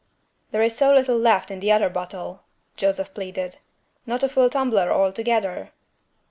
"There is so little left in the other bottle," Joseph pleaded; "not a full tumbler altogether."